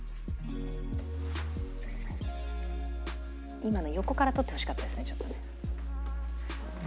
今の横から撮ってほしかったですね。